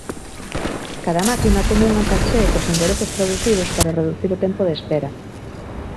Cada máquina ten unha caché cos enderezos traducidos para reducir o tempo de espera.